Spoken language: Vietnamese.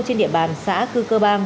trên địa bàn xã cư cơ bang